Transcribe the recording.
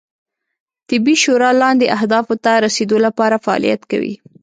طبي شورا لاندې اهدافو ته رسیدو لپاره فعالیت کوي